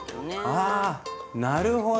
あなるほど。